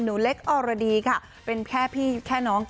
นครสวรรค์